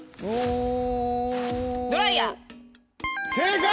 正解！